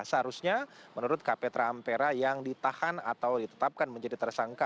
seharusnya menurut kapetra ampera yang ditahan atau ditetapkan menjadi tersangka